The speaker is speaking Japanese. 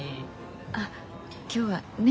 あ今日はね？